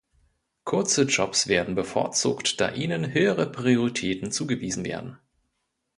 Kurze Jobs werden bevorzugt, da ihnen höhere Prioritäten zugewiesen werden.